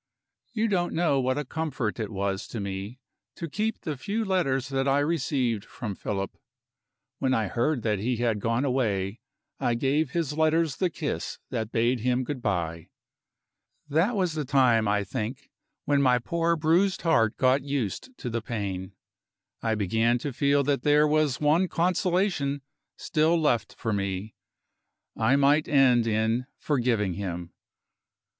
You don't know what a comfort it was to me to keep the few letters that I received from Philip. When I heard that he had gone away, I gave his letters the kiss that bade him good by. That was the time, I think, when my poor bruised heart got used to the pain; I began to feel that there was one consolation still left for me I might end in forgiving him.